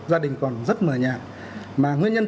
gia đình còn rất mờ nhà mà nguyên nhân